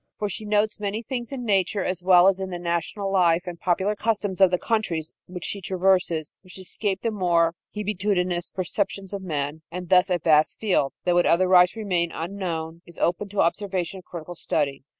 For she notes many things in nature, as well as in the national life and popular customs of the countries which she traverses, which escape the more hebetudinous perceptions of men, and thus a vast field, that would otherwise remain unknown, is opened to observation and critical study.